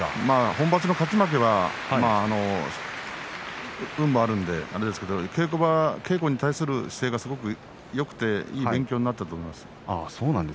本場所の勝ち負けは運もあるので稽古に対する姿勢はよくていい勉強になったと思いますよ。